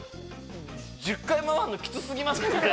１０回、回るのきつすぎます。